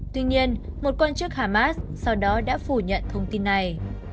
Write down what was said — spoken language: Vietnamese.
tuy nhiên một quan chức hamas sau đó đã phủ nhận thông tin này